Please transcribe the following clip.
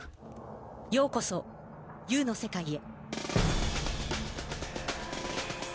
ようこそＵの世界へ。